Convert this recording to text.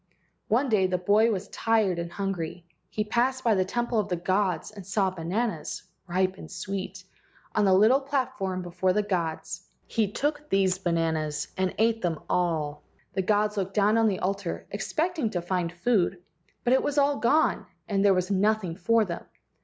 One day the boy was tired and hungry. He passed by the temple of the gods and saw bananas, ripe and sweet, on the little platform before the gods. He took these bananas and ate them all. The gods looked down on the altar expecting to find food, but it was all gone and there was nothing for them.